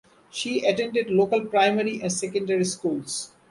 She attended local primary and secondary schools.